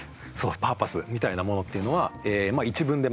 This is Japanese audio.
パーパスみたいなものっていうのは一文でまとめる。